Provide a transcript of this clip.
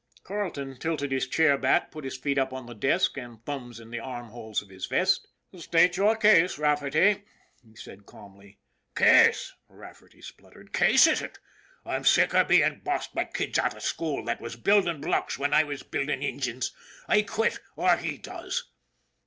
Carleton tilted his chair back, put his feet up on the desk and his thumbs in the armholes of his vest. " State your case, Rafferty," he said calmly. "Case!" Rafferty spluttered. "Case is ut? I'm sick av bein' bossed bye kids out av school that was buildin' blocks whin I was buildin' enjines. I quit or he does